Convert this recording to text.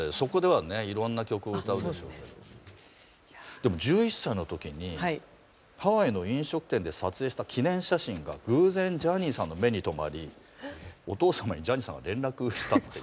でも１１歳の時にハワイの飲食店で撮影した記念写真が偶然ジャニーさんの目に留まりお父様にジャニーさんが連絡したっていう。